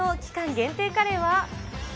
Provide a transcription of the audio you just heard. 限定カレーは。